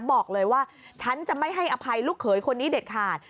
บอกเลยว่าฉันจะไม่ให้อภัยลูกเขยคนนี้เด็ดขาด